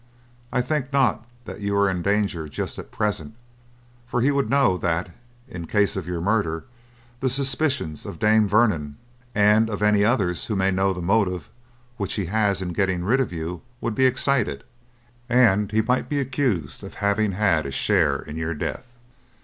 I think not that you are in danger just at present, for he would know that, in case of your murder, the suspicions of Dame Vernon and of any others who may know the motive which he has in getting rid of you would be excited, and he might be accused of having had a share in your death.